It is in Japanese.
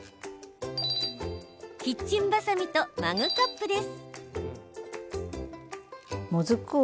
キッチンばさみとマグカップです。